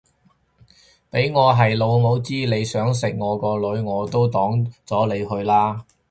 俾我係老母知你想食我個女我都擋咗你去啦